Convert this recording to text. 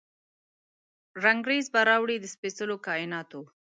رنګریز به راوړي، د سپیڅلو کائیناتو،